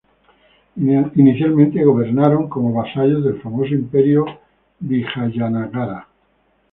Inicialmente gobernaron como vasallos del famoso Imperio Vijayanagara.